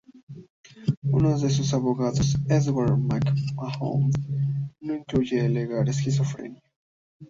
Uno de sus abogados, "Edward MacMahon", no excluye alegar esquizofrenia.